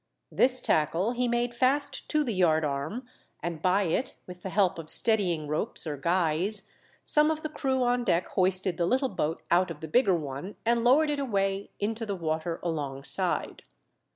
This tackle he made fast to the yard arm, and by it, with the help of steadying ropes or guys, some of the crew on deck hoisted the little boat out of the bigger one and lowered it away into the water alongside.